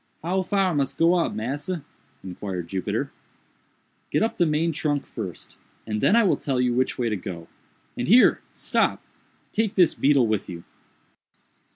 "How far mus go up, massa?" inquired Jupiter. "Get up the main trunk first, and then I will tell you which way to go—and here—stop! take this beetle with you."